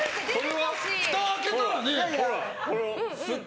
ふたを開けたらね。